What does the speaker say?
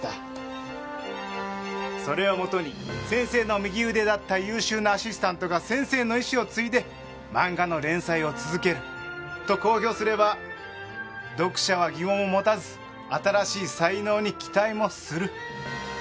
それをもとに先生の右腕だった優秀なアシスタントが先生の遺志を継いで漫画の連載を続けると公表すれば読者は疑問を持たず新しい才能に期待もする。